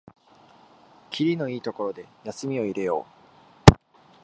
きりのいいところで休みを入れよう